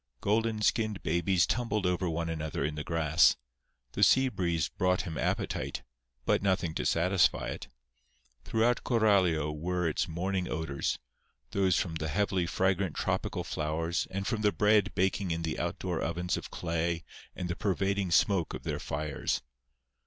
Golden skinned babies tumbled over one another in the grass. The sea breeze brought him appetite, but nothing to satisfy it. Throughout Coralio were its morning odors—those from the heavily fragrant tropical flowers and from the bread baking in the outdoor ovens of clay and the pervading smoke of their fires.